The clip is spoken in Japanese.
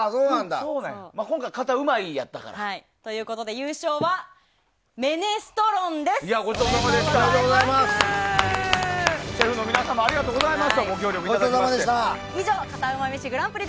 今回はカタうまいやったから。ということで優勝はメネストロンです！おめでとうございます。